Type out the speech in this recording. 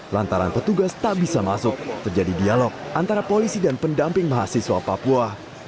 lantaran petugas tak bisa masuk terjadi dialog antara polisi dan pendamping mahasiswa papua